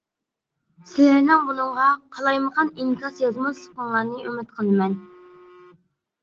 سىلەرنىڭ بۇنىڭغا قالايمىقان ئىنكاس يازماسلىقىڭلارنى ئۈمىد قىلىمەن.